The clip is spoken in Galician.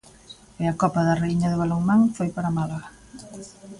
E a Copa da Raíña de balonmán foi para Málaga.